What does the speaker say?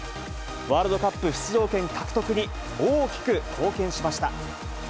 ワールドカップ出場権獲得に大きく貢献しました。